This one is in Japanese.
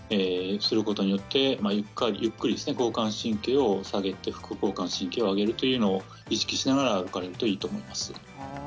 そうすることで、ゆっくり交感神経を下げて副交感神経を上げるのを意識しながらやるといいと思います。